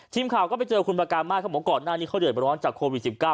ทีมข่าวก็ไปเจอคุณประการมากครับผมก่อนหน้านี้เขาเดินมาร้อนจากโควิดสิบเก้า